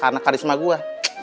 karena karisma gua